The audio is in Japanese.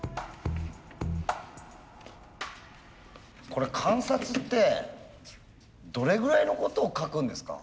これ観察ってどれぐらいのことを書くんですか？